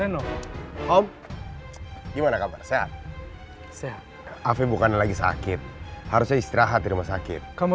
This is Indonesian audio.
no om gimana kabar sehat sehat afi bukan lagi sakit harusnya istirahat di rumah sakit kamu